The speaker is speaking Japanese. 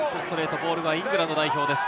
ボールはイングランド代表です。